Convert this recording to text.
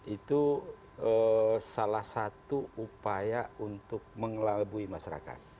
itu salah satu upaya untuk mengelabui masyarakat